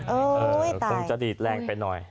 เออตายต้องจะดีแรงไปหน่อย